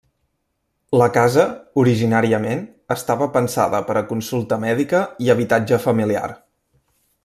La casa, originàriament, estava pensada per a consulta mèdica i habitatge familiar.